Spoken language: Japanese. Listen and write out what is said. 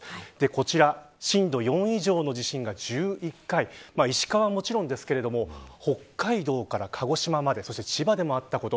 こちら震度４以上の地震が１１回石川はもちろんですが北海道から鹿児島までそして、千葉でもあったこと。